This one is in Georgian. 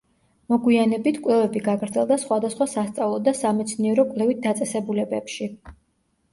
მოგვიანებით, კვლევები გაგრძელდა სხვადასხვა სასწავლო და სამეცნიერო-კვლევით დაწესებულებებში.